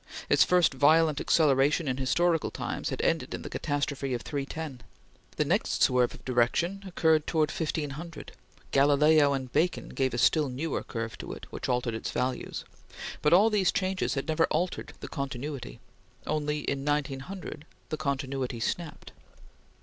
Its first violent acceleration in historical times had ended in the catastrophe of 310. The next swerve of direction occurred towards 1500. Galileo and Bacon gave a still newer curve to it, which altered its values; but all these changes had never altered the continuity. Only in 1900, the continuity snapped.